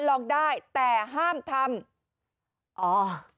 ลองได้แต่ห้ามทำอ๋อ